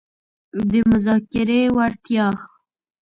-د مذاکرې وړتیا